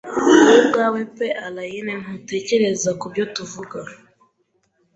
Wowe ubwawe pe Allayne ntujya utekereza kubyo tuvuga